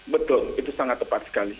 betul itu sangat tepat sekali